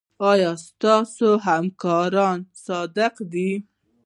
ایا ستاسو همکاران صادق دي؟